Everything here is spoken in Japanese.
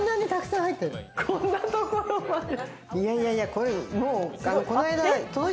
こんなところまで。